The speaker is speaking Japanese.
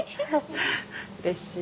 うれしい。